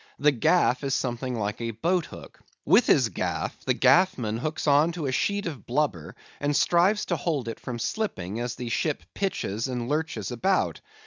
The gaff is something like a boat hook. With his gaff, the gaffman hooks on to a sheet of blubber, and strives to hold it from slipping, as the ship pitches and lurches about.